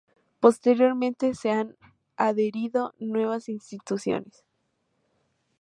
Posteriormente, se han adherido nuevas instituciones.